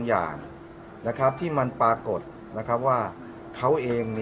อ๋อขออนุญาตเป็นในเรื่องของการสอบสวนปากคำแพทย์ผู้ที่เกี่ยวข้องให้ชัดแจ้งอีกครั้งหนึ่งนะครับ